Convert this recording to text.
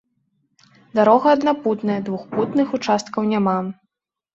Дарога аднапутная, двухпутных участкаў няма.